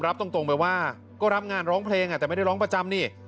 รับตรงไปว่าก็รับงานร้องเพลงแต่ไม่ได้ร้องประจำนี่